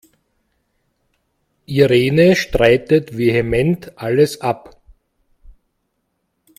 Irene streitet vehement alles ab.